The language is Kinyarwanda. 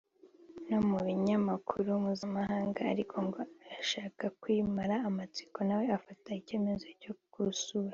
no mu binyamakuru Mpuzamahanga ariko ngo ashaka kwimara amatsiko nawe afata icyemezo cyo kurusura